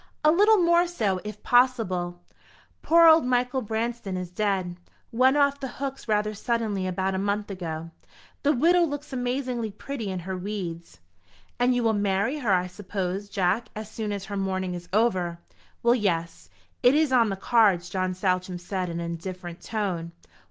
"A little more so, if possible. Poor old Michael Branston is dead went off the hooks rather suddenly about a month ago. The widow looks amazingly pretty in her weeds." "And you will marry her, I suppose, Jack, as soon as her mourning is over?" "Well, yes; it is on the cards," John Saltram said, in an indifferent tone.